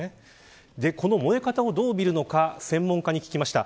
この燃え方をどう見るのか専門家に聞きました。